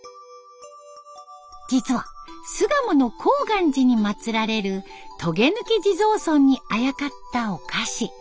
実は巣鴨の高岩寺にまつられるとげぬき地蔵尊にあやかったお菓子。